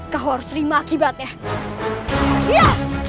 kau harus terima akibatnya